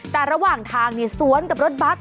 แต่ระหว่างทางสวนกับรถบัส